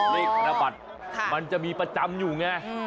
ธนบัตรมันจะมีประจำอยู่ไง